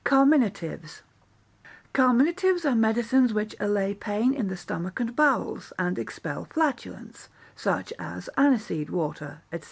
Carminatives Carminatives are medicines which allay pain in the stomach and bowels, and expel flatulence, such as aniseed water, &c.